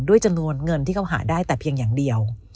จำนวนเงินที่เขาหาได้แต่เพียงอย่างเดียว